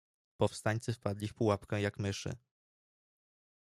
"Powstańcy wpadli w pułapkę jak myszy."